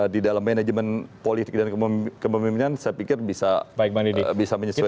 di dalam manajemen politik dan kepemimpinan saya pikir bisa menyesuaikan